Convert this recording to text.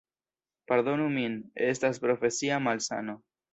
Pardonu min, estas profesia malsano.